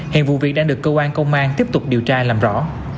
hiện vụ việc đang được cơ quan công an tiếp tục điều tra làm rõ